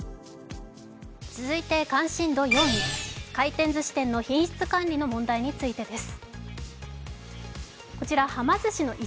続いて関心度４位、回転ずし店の品質管理についての問題です。